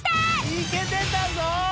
いけてたぞ！